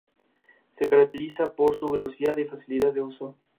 Por acuerdo internacional, se expresa siempre en dólares.